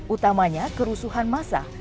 utamanya kerusuhan massa